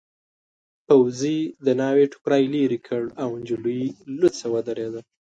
پوځي د ناوې ټکري لیرې کړ او نجلۍ لوڅه ودرېده.